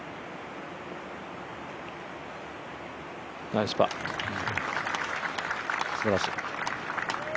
ナイスパー、すばらしい。